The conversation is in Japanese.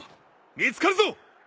見つかるぞ！